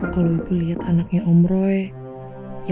kalau itu lihat anaknya om roy